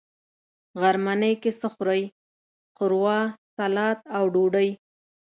غرمنۍ کی څه خورئ؟ ښوروا، ، سلاډ او ډوډۍ